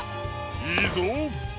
いいぞ！